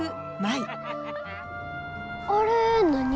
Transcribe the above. あれ何？